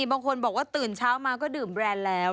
บางคนบอกว่าตื่นเช้ามาก็ดื่มแรนด์แล้ว